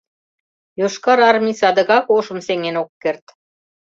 — Йошкар Армий садыгак ошым сеҥен ок керт.